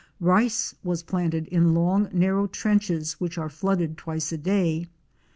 Rice was planted in long narrow trenches which are flooded twice a day.